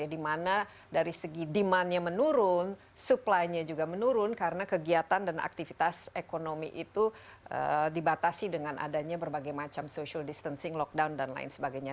dimana dari segi demandnya menurun supply nya juga menurun karena kegiatan dan aktivitas ekonomi itu dibatasi dengan adanya berbagai macam social distancing lockdown dan lain sebagainya